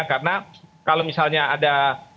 karena kalau misalnya ada